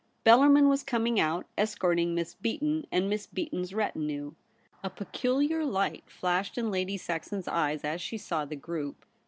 Bel larmin was coming out, escorting Miss Beaton, and Miss Beaton's retinue. A peculiar light flashed in Lady Saxon's eyes as she saw the group.